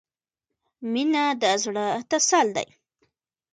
• مینه د زړۀ تسل دی.